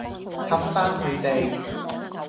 氹返佢哋